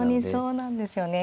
そうなんですか。